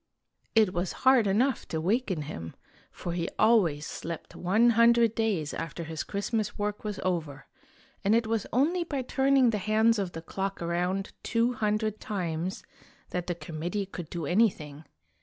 It was hard enough to waken him, for he always slept one hundred days after his Christmas work was over, and it was only by turning the hands of the clock around two hundred times that the com mittee could do anything.